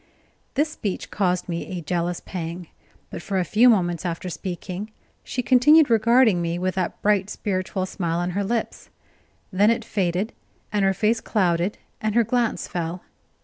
This speech caused me a jealous pang. But for a few moments after speaking, she continued regarding me with that bright, spiritual smile on her lips; then it faded, and her face clouded and her glance fell.